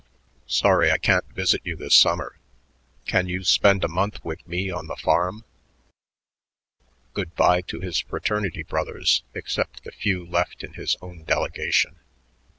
Sorry I can't visit you this summer. Can't you spend a month with me on the farm...?" Good by to his fraternity brothers except the few left in his own delegation.